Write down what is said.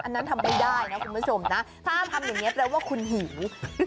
อันนั้นทำไม่ได้นะคุณผู้ชมนะถ้าทำอย่างนี้แปลว่าคุณหิว